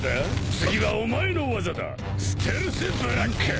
次はお前の技だステルス・ブラック！